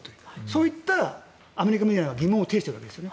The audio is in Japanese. そういったアメリカメディアが疑問を呈しているんです。